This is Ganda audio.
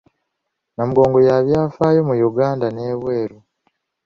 Namugongo ya byafaayo mu Yuganda n’ebweru.